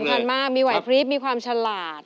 ทันมากมีไหวพริบมีความฉลาด